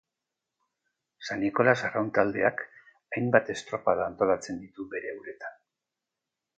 San Nikolas Arraun Taldeak hainbat estropada antolatzen ditu bere uretan.